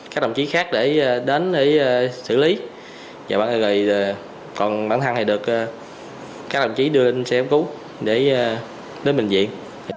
các đồng chí khác đến để xử lý còn bản thân thì được các đồng chí đưa lên xe cứu để đến bệnh viện